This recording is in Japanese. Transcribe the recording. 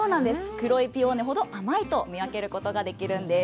黒いピオーネほど甘いと見分けることができるんです。